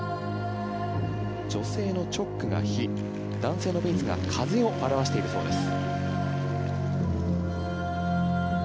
女性のチョックが火男性のベイツが風を表しているそうです。